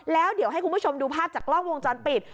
แล้วเดี๋ยวให้คุณผู้ชมดูภาพจากกล้องวงจรปิด